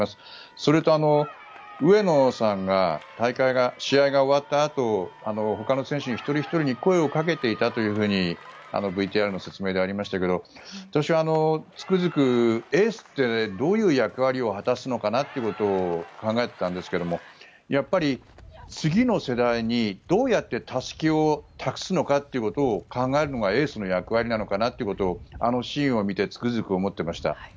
それと、上野さんが試合が終わったあとほかの選手一人ひとりに声をかけていたというふうにＶＴＲの説明でありましたが私はつくづくエースってどういう役割を果たすのかなって考えていたんですけどやっぱり、次の世代にどうやってたすきを託すのかっていうことを考えるのがエースの役割なのかなということをあのシーンを見てつくづく思っていました。